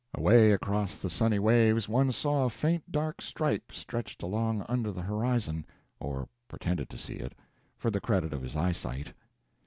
Away across the sunny waves one saw a faint dark stripe stretched along under the horizon or pretended to see it, for the credit of his eyesight.